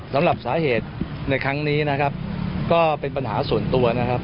สำหรับสาเหตุในครั้งนี้นะครับก็เป็นปัญหาส่วนตัวนะครับ